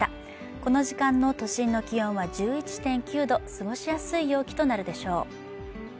この時間の都心の気温は１１．９度過ごしやすい陽気となるでしょう